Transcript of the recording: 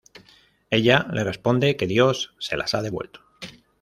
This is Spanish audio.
Ella le responde que Dios se las ha devuelto.